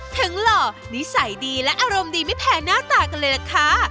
หล่อนิสัยดีและอารมณ์ดีไม่แพ้หน้าตากันเลยล่ะค่ะ